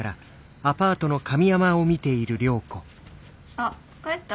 あっ帰った？